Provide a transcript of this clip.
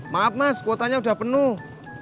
maaf mas kuotanya sudah penuh